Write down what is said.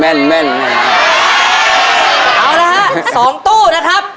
เอาละฮะสองตู้นะครับ